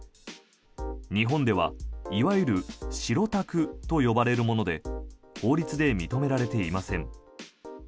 日本ではいわゆる白タクと呼ばれるもので法律で認められていません。